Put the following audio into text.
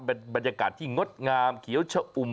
เป็นบรรยากาศที่งดงามเขียวชะอุ่ม